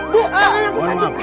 bu anak muda